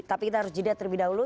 tapi kita harus jeda terlebih dahulu